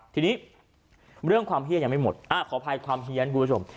ทีนี้เรื่องความเฮียนยังไม่หมดขออภัยความเฮียนคุณผู้ชม